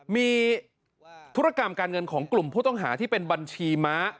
มีธุรกรรมการเงินของกลุ่มผู้ต้องหาที่เป็นบัญชีม้า